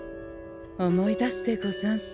思い出すでござんす。